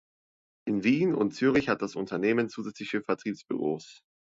In Wien und Zürich hat das Unternehmen zusätzliche Vertriebsbüros.